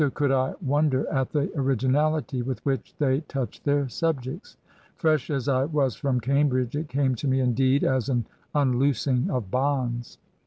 133 could I wonder at the originality with which they touched their subjects. Fresh as I was from Cambridge, it came to me indeed as an unloosing of bonds.